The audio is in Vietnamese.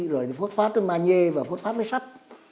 rồi thì phốt phát với manhê và phốt phát với sắt